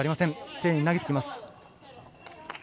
丁寧に投げてきます。